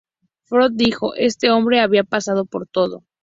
Foote dijo, ""Este hombre había pasado por todo.